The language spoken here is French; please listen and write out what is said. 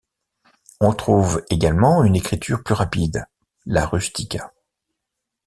On trouve également une écriture plus rapide, la rustica.